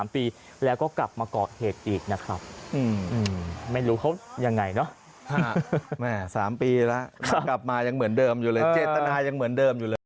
๓ปี๓ปีแล้วกลับมายังเหมือนเดิมอยู่เลยเจตนายังเหมือนเดิมอยู่เลย